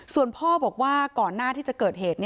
ส่วนพ่อบอกว่าก่อนหน้าที่จะเกิดเหตุ